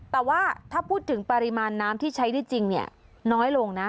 แต่ว่าถ้าพูดถึงปริมาณน้ำที่ใช้ได้จริงน้อยลงนะ